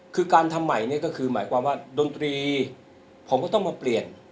คือการทำใหม่เนี่ยก็คือหมายความว่าดนตรีผมก็ต้องมาเปลี่ยน